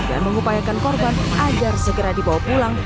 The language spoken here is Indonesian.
dan mengupayakan korban agar segera dibawa pulang